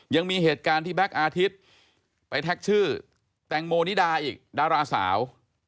ยังมีเหตุการณ์ที่แก๊กอาทิตย์ไปแท็กชื่อแตงโมนิดาอีกดาราสาว